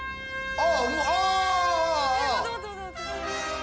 あ！